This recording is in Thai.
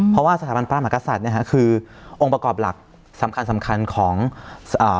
เพราะว่าสถาบันพระมหากษัตริย์เนี้ยฮะคือองค์ประกอบหลักสำคัญสำคัญของอ่า